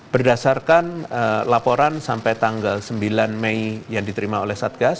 berdasarkan laporan sampai tanggal sembilan mei yang diterima oleh satgas